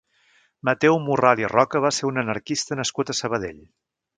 Mateu Morral i Roca va ser un anarquista nascut a Sabadell.